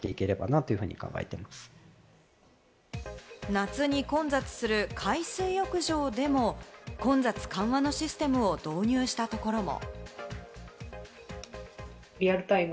夏に混雑する海水浴場でも、混雑緩和のシステムを導入したところも。